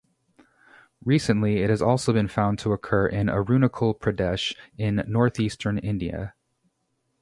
Recently, it has also been found to occur in Arunachal Pradesh in northeastern India.